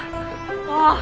ああ。